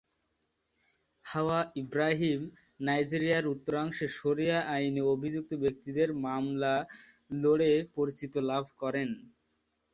হাওয়া ইব্রাহিম নাইজেরিয়ার উত্তরাংশে শরিয়া আইনে অভিযুক্ত ব্যক্তিদের মামলা লড়ে পরিচিতি লাভ করেন।